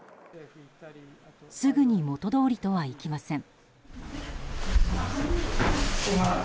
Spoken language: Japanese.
すぐに元どおりとはいきません。